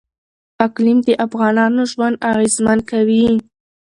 اقلیم د افغانانو ژوند اغېزمن کوي.